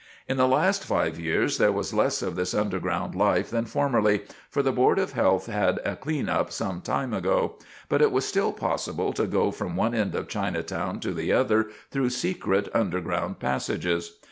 In the last five years there was less of this underground life than formerly, for the Board of Health had a cleanup some time ago; but it was still possible to go from one end of Chinatown to the other through secret underground passages.